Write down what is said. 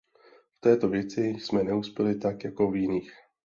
V této věci jsme neuspěli tak jako v jiných.